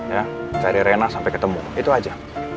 ya cari rena sampai ketemu itu aja